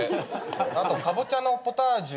あとかぼちゃのポタージュを。